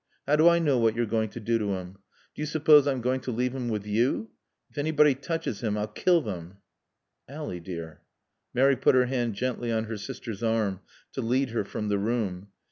How do I know what you're going to do to him? Do you suppose I'm going to leave him with you? If anybody touches him I'll kill them." "Ally, dear " Mary put her hand gently on her sister's arm to lead her from the room.